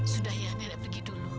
sudah ya nenek pergi dulu